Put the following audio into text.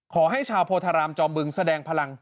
ขอให้ชาวโพธารามจอมบึงแสดงพลัง